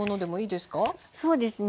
そうですね。